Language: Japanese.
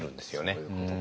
そういうことか。